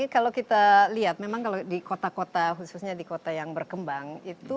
kalau kita lihat memang kalau di kota kota khususnya di kota yang berkembang itu